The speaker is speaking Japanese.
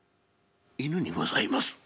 犬にございます」。